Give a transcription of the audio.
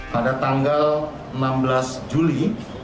pada tanggal enam belas juli dua ribu lima belas